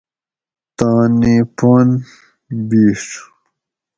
تانی پن بِیڛ